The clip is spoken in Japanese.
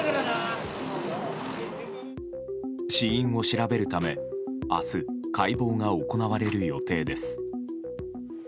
死因を調べるため明日解剖が行われる予定です。